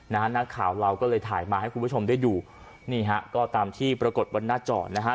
นักข่าวเราก็เลยถ่ายมาให้คุณผู้ชมได้ดูนี่ฮะก็ตามที่ปรากฏบนหน้าจอนะฮะ